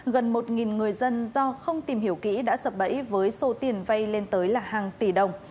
gần một người dân do không tìm hiểu kỹ đã sập bẫy với số tiền vay lên tới là hàng tỷ đồng